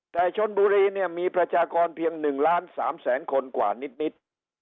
แต่ชนบุรีมีพระจากรเพียง๑๓๐๐๐๐๐คนกว่านิด